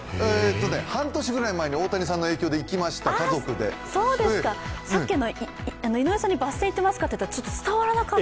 半年ぐらい前に、大谷さんの影響で行きました井上さんにバッセン行ってますかって言ったら伝わらなかった。